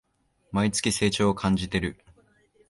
毎月、成長を感じてる